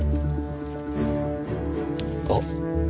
あっ。